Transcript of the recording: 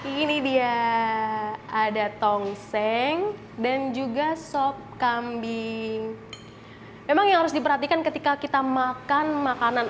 ini dia ada tongseng dan juga sop kambing memang yang harus diperhatikan ketika kita makan makanan